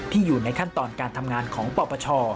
อยู่ในขั้นตอนการทำงานของปปช